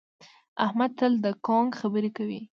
احمد تل د کونک خبرې کوي.